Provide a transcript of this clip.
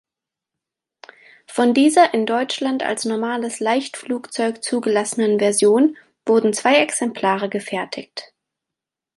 Von dieser in Deutschland als normales Leichtflugzeug zugelassenen Version wurden zwei Exemplare gefertigt.